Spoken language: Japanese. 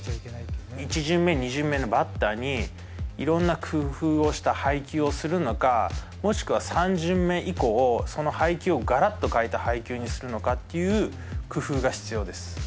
１巡目、２巡目のバッターにいろんな工夫をした配球をするのか、もしくは３巡目以降、その配球をがらっと変えた配球にするのかっていう工夫が必要です。